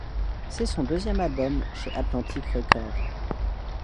C'est son deuxième album chez Atlantique Records.